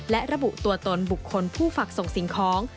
และระบุตัวตนบุคคลผู้ฝักส่งสิ่งของ